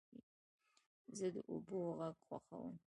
زه د اوبو غږ خوښوم.